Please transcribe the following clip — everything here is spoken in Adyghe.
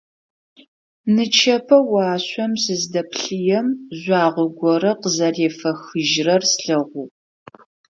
Нычэпэ уашъом сыздэппъыем, жъуагъо горэ къызэрефэхыжьырэр слъэгъугъ.